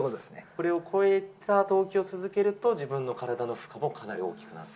これを超えた投球を続けると、自分の体の負荷も、かなり大きくなる。